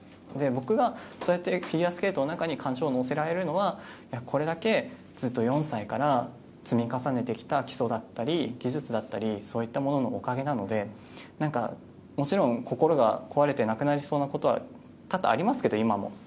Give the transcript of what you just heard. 僕はそうやってフィギュアスケートの中に感情を乗せられるのはこれだけずっと４歳から積み重ねてきた基礎だったり技術だったりそういったもののおかげなのでもちろん、心が壊れてなくなりそうなことは多々ありますけど、今も。